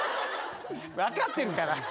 分かってるから。